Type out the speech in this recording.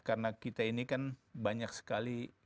karena kita ini kan banyak sekali